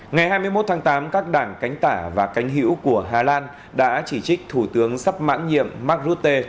ngày hai mươi một tháng tám các đảng cánh tả và cánh hữu của hà lan đã chỉ trích thủ tướng sắp mãn nhiệm mark rutte